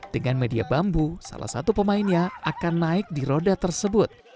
dengan media bambu salah satu pemainnya akan naik di roda tersebut